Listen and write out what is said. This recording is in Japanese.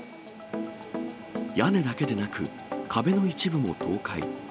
屋根だけでなく、壁の一部も倒壊。